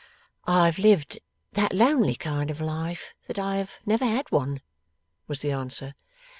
'I have lived that lonely kind of life, that I have never had one,' was the answer.